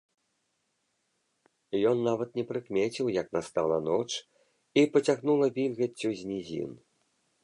Ён нават не прыкмеціў, як настала ноч і пацягнула вільгаццю з нізін.